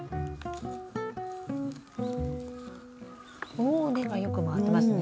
お根がよく回ってますね。